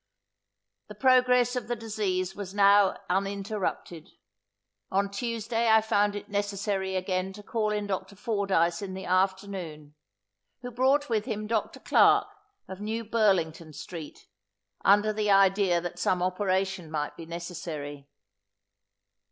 The progress of the disease was now uninterrupted. On Tuesday I found it necessary again to call in Dr. Fordyce in the afternoon, who brought with him Dr. Clarke of New Burlington street, under the idea that some operation might be necessary.